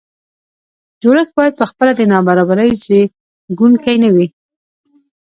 جوړښت باید په خپله د نابرابرۍ زیږوونکی نه وي.